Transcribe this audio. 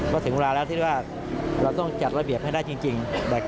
ก็ถึงเวลาแล้วที่ว่าเราต้องจัดระเบียบให้ได้จริง